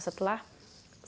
setelah seratus cc darahnya